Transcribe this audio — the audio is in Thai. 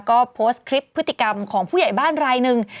ก็โพสต์คลิปพฤติกรรมของผู้ใหญ่บ้านรายหนึ่ง